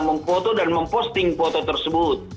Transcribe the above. memfoto dan memposting foto tersebut